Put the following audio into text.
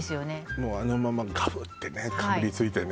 もうあのままガブッてねかぶりついてね